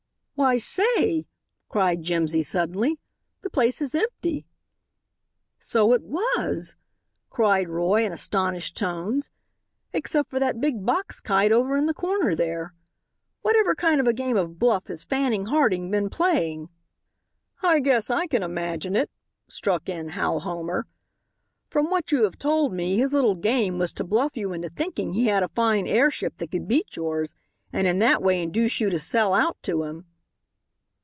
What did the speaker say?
"Why, say!" cried Jimsy suddenly, "the place was empty." "So it was!" cried Roy in astonished tones, "except for that big box kite over in the corner there. Whatever kind of a game of bluff has Fanning Harding been playing?" "I guess I can imagine it," struck in Hal Homer. "From what you have told me his little game was to bluff you into thinking he had a fine airship that could beat yours, and in that way induce you to sell out to him."